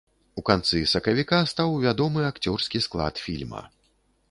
У канцы сакавіка стаў вядомы акцёрскі склад фільма.